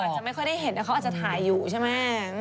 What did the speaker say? อย่างก็ไม่ค่อยได้เห็นแต่เค้าอาจจะถ่ายอยู่หนึ่ง